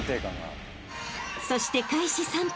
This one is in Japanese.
［そして開始３分］